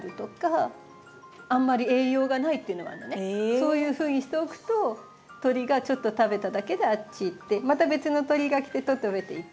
そういうふうにしておくと鳥がちょっと食べただけであっち行ってまた別の鳥が来て食べていって。